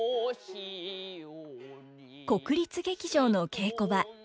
国立劇場の稽古場。